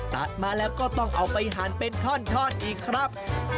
ตัดมาแล้วก็ต้องเอาไปหั่นเป็นท่อนอีกครับ